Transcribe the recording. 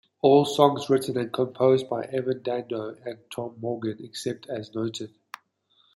All songs written and composed by Evan Dando and Tom Morgan, except as noted.